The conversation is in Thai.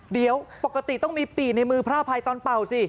เดี๋ยวปกติต้องมีปี่ในมือพระอภัยตอนเป่าสิ